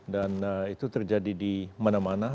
dan itu terjadi di mana mana